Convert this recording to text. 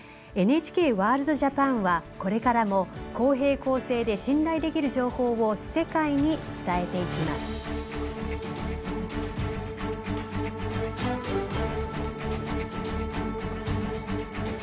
「ＮＨＫワールドＪＡＰＡＮ」はこれからも公平・公正で信頼できる情報を世界に伝えていきます。